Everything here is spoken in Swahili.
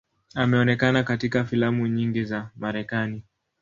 Ameonekana katika filamu nyingi za Marekani.